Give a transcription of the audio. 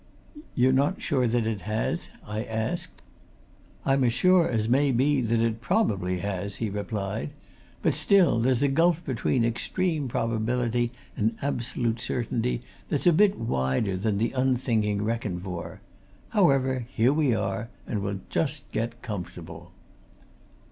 "You're not sure that it has?" I asked. "I'm as sure as may be that it probably has!" he replied. "But still, there's a gulf between extreme probability and absolute certainty that's a bit wider than the unthinking reckon for. However, here we are and we'll just get comfortable."